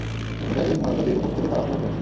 অনেক আগেই মানবজাতির উপর থেকে তার আস্থা উঠে গেছে।